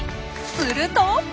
すると。